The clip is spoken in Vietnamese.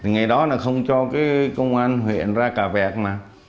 ngày đó là không cho công an huyện ra vẹt mà